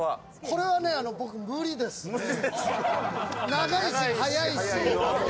長いし、速いし。